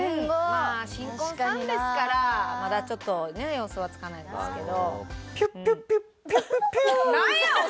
まあ新婚さんですからまだちょっと予想はつかないですけど。